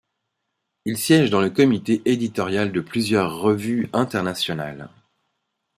Il siège dans le comité éditorial de plusieurs revues internationales.